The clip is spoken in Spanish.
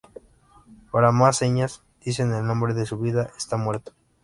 Para más señas, dicen el hombre de su vida está muerto.